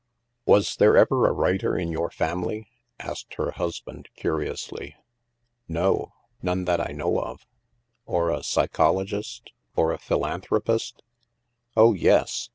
" Was there ever a writer in your family ?" asked her husband curiously. " No. None that I know of." Or a psychologist, or a philanthropist ?" Oh, yes!